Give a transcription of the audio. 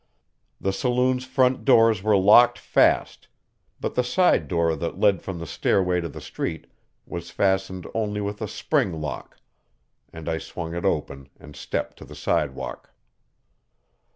The saloon's front doors were locked fast, but the side door that led from the stairway to the street was fastened only with a spring lock, and I swung it open and stepped to the sidewalk.